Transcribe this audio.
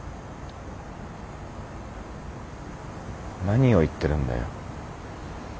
何を言ってるんだよ。